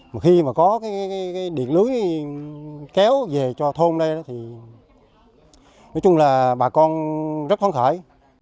mà khi mà có cái điện lưới kéo về cho thôn đây đó thì nói chung là bà con rất phấn khởi